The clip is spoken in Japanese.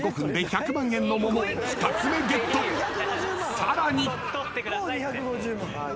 ［さらに］